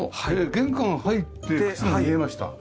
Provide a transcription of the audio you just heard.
玄関入って靴見えました。